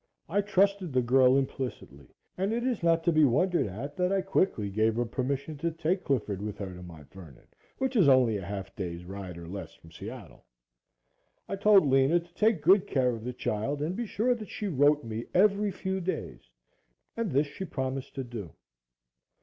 I trusted the girl implicitly and it is not to be wondered at that I quickly gave her permission to take Clifford with her to Mt. Vernon, which is only a half day's ride or less from Seattle. I told Lena to take good care of the child and be sure that she wrote me every few days and this she promised to do.